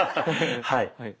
はい。